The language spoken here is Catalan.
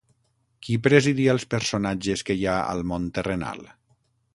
Qui presidia els personatges que hi ha al món terrenal?